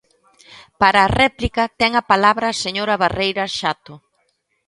Para a réplica ten a palabra a señora Barreiras Xato.